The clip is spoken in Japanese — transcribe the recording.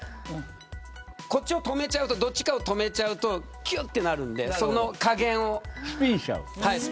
こっちを止めちゃうとどちらかを止めちゃうときゅっとなるので、その加減を。